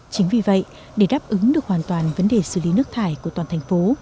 chính vì vậy để đáp ứng được hoàn toàn vấn đề xử lý nước thải của toàn thành phố